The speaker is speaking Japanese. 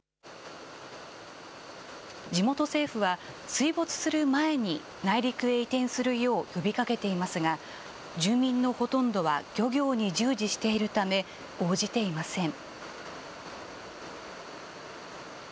地元政府は、水没する前に内陸へ移転するよう呼びかけていますが、住民のほとんどは漁業に従事しているため、応じていません。